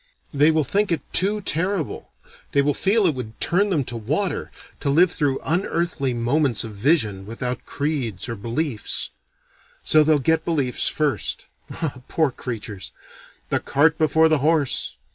They will think it too terrible, they will feel it would turn them to water, to live through unearthly moments of vision without creeds or beliefs. So they'll get beliefs first. Ah, poor creatures! The cart before the horse!